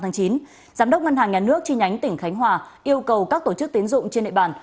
giám đốc ngân hàng nhà nước chi nhánh tỉnh khánh hòa yêu cầu các tổ chức tiến dụng trên địa bàn